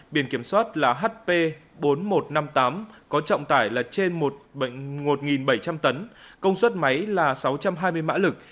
biển kiểm soát là hp bốn nghìn một trăm năm mươi tám có trọng tải là trên một bảy trăm linh tấn công suất máy là sáu trăm hai mươi mã lực